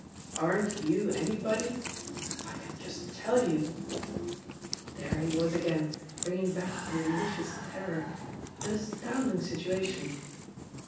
"Aren't you anybody? I can just tell you " There he was again, bringing back the delicious terror! An astounding situation!